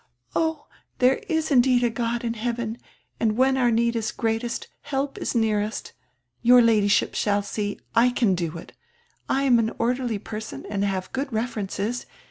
"Oh, there is indeed a God in heaven, and when our need is greatest help is nearest. Your Ladyship shall see, I can do it. I am an orderly per son and have good references.